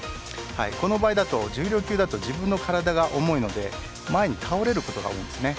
この場合だと重量級だと自分の体が重いので前に倒れることが多いです。